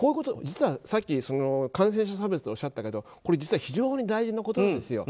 実はさっき感染者差別とおっしゃったけど実は非常に大事なことなんです。